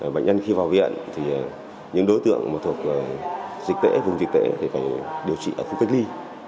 bệnh nhân khi vào viện thì những đối tượng mà thuộc dịch tễ vùng dịch tễ thì phải điều trị ở khu cách ly